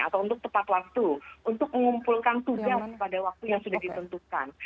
atau untuk tepat waktu untuk mengumpulkan tugas pada waktu yang sudah ditentukan